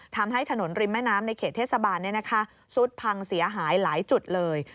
ทำให้ถนนริมแม่น้ำในเขตเทศบาลซุดพังเสียหายหลายจุดเลย